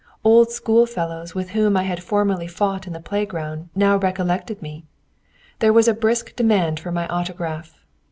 Old school fellows with whom I had formerly fought in the playground now recollected me. There was a brisk demand for my autograph.